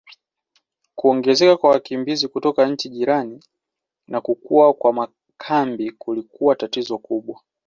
Kuongezeka kwa wakimbizi kutoka nchi jirani na kukua kwa makambi kulikuwa tatizo kubwa.